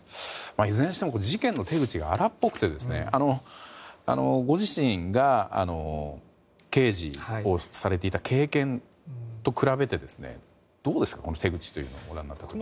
いずれにしても事件の手口が荒っぽくてご自身が刑事をされていた経験と比べてどうですか、この手口をご覧になった時に。